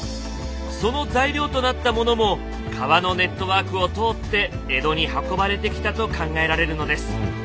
その材料となったものも川のネットワークを通って江戸に運ばれてきたと考えられるのです。